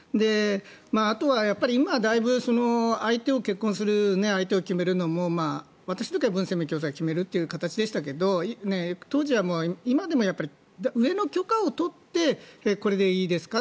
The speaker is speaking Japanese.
あとはやっぱり今、だいぶ結婚する相手を決めるのは私の時はブン・センメイ教祖が決めるという感じでしたが当時は今でも上の許可を取ってこれでいいですか？